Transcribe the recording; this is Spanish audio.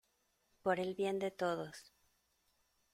por el bien de todos.